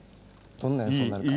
どんな演奏になるか。